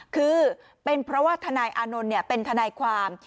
คือเป็นเพราะว่าทนายอานนท์เป็นทนายความ